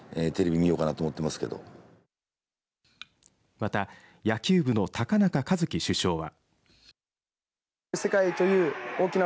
また、野球部の高中一樹主将は。